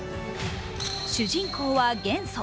主人公は元素。